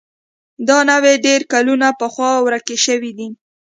دا نوعې ډېر کلونه پخوا ورکې شوې دي.